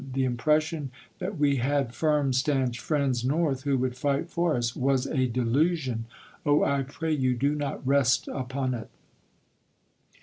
The impression that we had firm, stanch friends North who would fight for us was a delusion. Oh ! I pray you do not rest upon it.